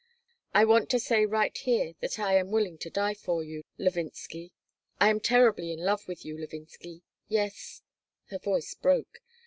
I want to say right here that I am willing to die for you, Levinsky. I am terribly in love with you, Levinsky. Yes " Her voice broke.